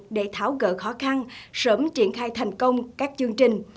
để tháo gỡ khó khăn sớm triển khai thành công các chương trình